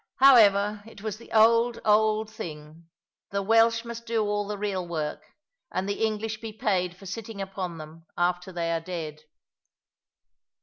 However, it was the old, old thing. The Welsh must do all the real work; and the English be paid for sitting upon them after they are dead.